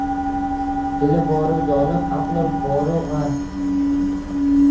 Dili boru zolim, aqli boru gʻar